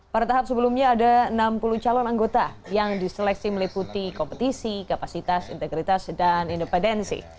pada tahap sebelumnya ada enam puluh calon anggota yang diseleksi meliputi kompetisi kapasitas integritas dan independensi